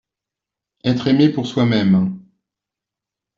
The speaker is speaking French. Etre aimé pour soi-même…